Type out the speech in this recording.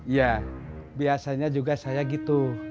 ya biasanya juga saya gitu